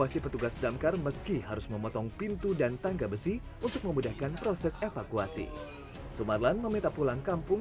selama tiga tahun terakhir sumarlan berada di jepang